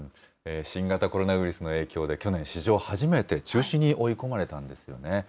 新型コロナウイルスの影響で、去年、史上初めて中止に追い込まれたんですよね。